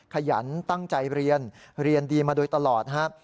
ขยันตั้งใจเรียนเรียนดีมาโดยตลอดนะครับ